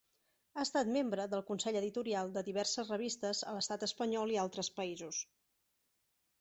Ha estat membre del consell editorial de diverses revistes a l'Estat espanyol i altres països.